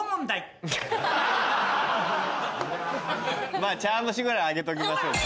まぁ茶碗蒸しぐらいあげときましょうか。